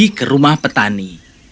pergi ke rumah petani